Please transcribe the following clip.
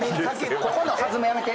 ここの弾むやめて。